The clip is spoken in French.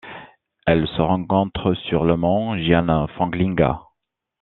Elle se rencontre sur le mont Jianfengling.